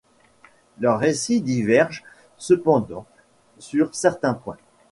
Leurs récits divergent cependant sur certains points.